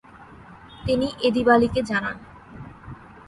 তিনি এদিবালিকে জানান।